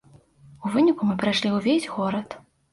У выніку мы прайшлі ўвесь горад.